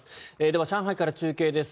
では、上海から中継です。